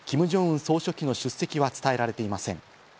総書記の出席は伝えられていません。